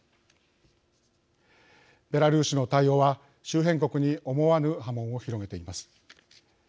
ベラルーシの対応は周辺国に思わぬ波紋を広げています。